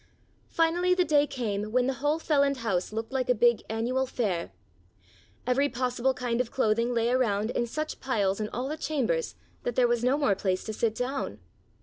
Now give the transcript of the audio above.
Finally the day came when the whole Feland house looked like a big annual fair. Every possible kind of clothing lay around in such piles in all the chambers that there was no more place to sit down.